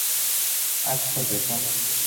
আচ্ছা, জেসন।